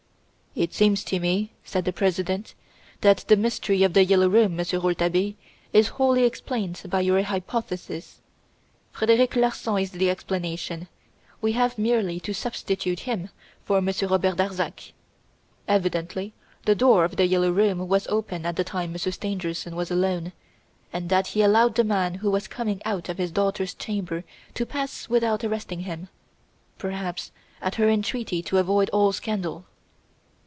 "It seems to me," said the President, "that the Mystery of "The Yellow Room", Monsieur Rouletabille, is wholly explained by your hypothesis. Frederic Larsan is the explanation. We have merely to substitute him for Monsieur Robert Darzac. Evidently the door of "The Yellow Room" was open at the time Monsieur Stangerson was alone, and that he allowed the man who was coming out of his daughter's chamber to pass without arresting him perhaps at her entreaty to avoid all scandal."